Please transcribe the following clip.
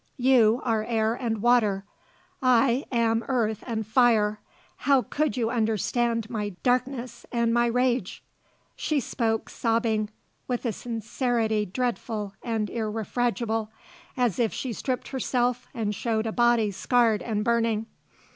You are air and water; I am earth and fire; how could you understand my darkness and my rage?" She spoke, sobbing, with a sincerity dreadful and irrefragable, as if she stripped herself and showed a body scarred and burning.